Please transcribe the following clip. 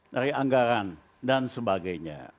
dari anggaran dan sebagainya